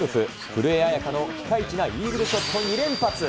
古江彩佳のピカイチなイーグルショット２連発。